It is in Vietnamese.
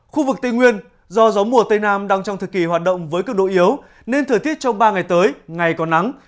khu vực tây nguyên do gió mùa tây nam đang trong thời kỳ hoạt động với cực độ yếu nên thời tiết trong ba ngày tới ngày có nắng